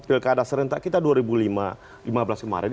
pilih keadaan serentak kita dua ribu lima belas kemarin